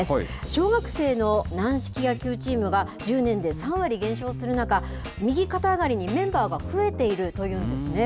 小学生の軟式野球チームが、１０年で３割減少する中、右肩上がりにメンバーが増えているというんですね。